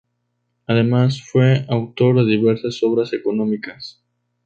Además, fue autor de diversas obras económicas.